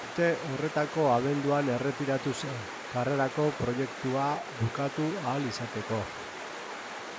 Urte horretako abenduan erretiratu zen, karrerako proiektua bukatu ahal izateko.